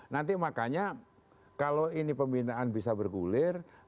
nanti makanya kalau ini pembinaan bisa bergulir